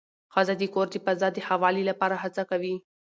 ښځه د کور د فضا د ښه والي لپاره هڅه کوي